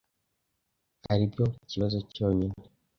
aribyo kibazo cyonyine.